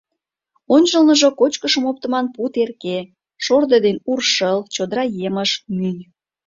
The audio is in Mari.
Ончылныжо кочкышым оптыман пу терке: шордо ден ур шыл, чодыра емыж, мӱй.